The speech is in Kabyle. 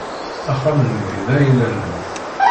Axxam-nni d ayla-nnem.